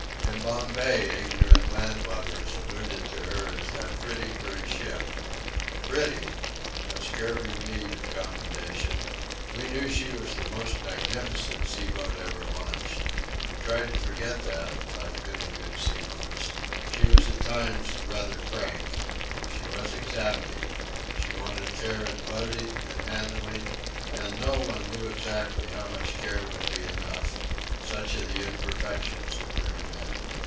In Bombay, ignorant landlubbers alluded to her as that "pretty grey ship." Pretty! A scurvy meed of commendation! We knew she was the most magnificent sea boat ever launched. We tried to forget that, like many good sea boats, she was at times rather crank. She was exacting. She wanted care in loading and handling, and no one knew exactly how much care would be enough. Such are the imperfections of mere men!